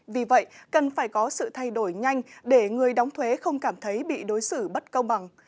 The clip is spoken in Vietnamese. vì vậy cần phải có sự thay đổi nhanh để người đóng thuế không cảm thấy bị đối xử bất công bằng